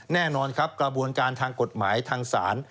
แน่นอนครับกระบวนการทางกฎหมายทางศาล